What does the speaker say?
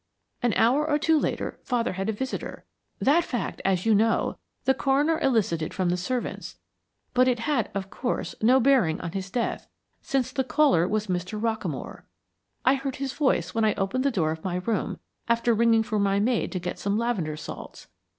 An hour or two later, father had a visitor that fact as you know, the coroner elicited from the servants, but it had, of course, no bearing on his death, since the caller was Mr. Rockamore. I heard his voice when I opened the door of my room, after ringing for my maid to get some lavender salts.